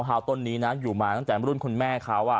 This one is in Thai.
มะพร้าวต้นนี้อยู่มาตั้งแต่รุ่นคุณแม่เขา